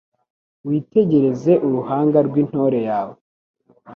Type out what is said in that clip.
witegereze uruhanga rw’intore yawe